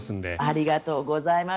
ありがとうございます。